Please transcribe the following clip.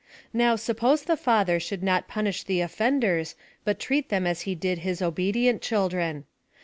Now, suppose the fa ther should not punish the offenders, but treat them as he did his obedient children.